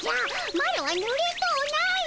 マロはぬれとうない！